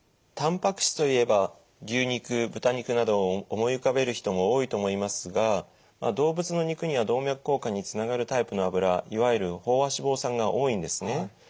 たんぱく質といえば牛肉豚肉などを思い浮かべる人が多いと思いますが動物の肉には動脈硬化につながるタイプの脂いわゆる飽和脂肪酸が多いんですね。